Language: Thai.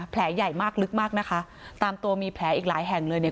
แผลใหญ่มากลึกมากนะคะตามตัวมีแผลอีกหลายแห่งเลยเนี่ย